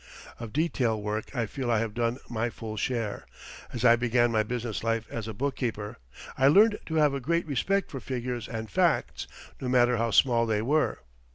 Of detail work I feel I have done my full share. As I began my business life as a bookkeeper, I learned to have great respect for figures and facts, no matter how small they were.